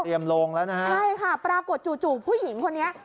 เตรียมลงล่ะนะใช่ค่ะปรากฏจู่ผู้หญิงคนนี้